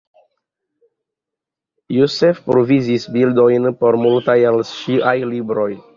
Joseph provizis bildojn por multaj el ŝiaj libroj.